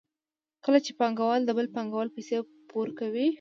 کله چې پانګوال د بل پانګوال پیسې پور کوي